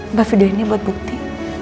mbak videoinnya buat bukti